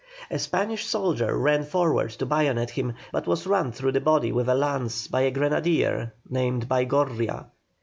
A Spanish soldier ran forward to bayonet him, but was run through the body with a lance by a grenadier named Baigorria.